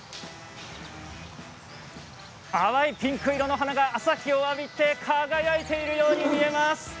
淡いピンク色の花が朝日を浴びて輝いているように見えます。